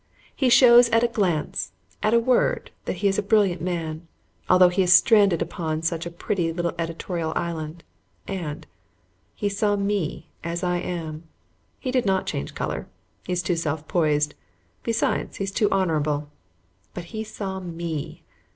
He shows at a glance, at a word, that he is a brilliant man, although he is stranded upon such a petty little editorial island. And and he saw ME as I am. He did not change color. He is too self poised; besides, he is too honorable. But he saw ME.